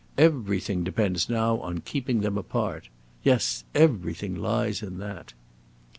Everything depends now upon keeping them apart. Yes, everything lies in that!"